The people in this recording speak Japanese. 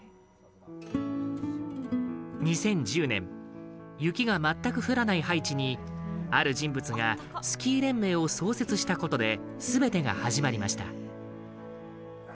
２０１０年雪が全く降らないハイチにある人物が、スキー連盟を創設したことですべてが始まりました。